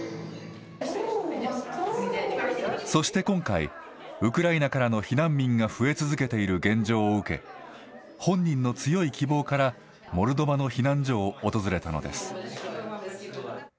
そして今回、ウクライナからの避難民が増え続けている現状を受け、本人の強い希望から、モルドバの避難所を訪れたのです。